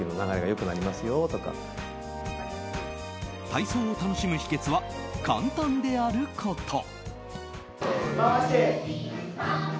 体操を楽しむ秘訣は簡単であること。